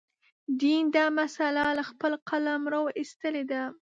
دین دا مسأله له خپل قلمروه ایستلې ده.